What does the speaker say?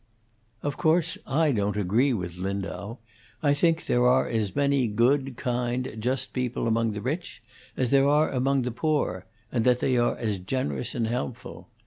"Of course, I don't agree with Lindau. I think there are as many good, kind, just people among the rich as there are among the poor, and that they are as generous and helpful.